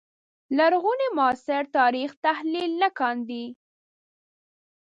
لرغوني معاصر تاریخ تحلیل نه کاندي